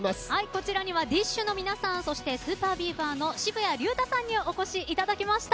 こちらにはＤＩＳＨ／／の皆さんそしてＳＵＰＥＲＢＥＡＶＥＲの渋谷龍太さんにお越しいただきました。